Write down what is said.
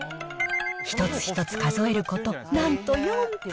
一つ一つ数えること、なんと４分。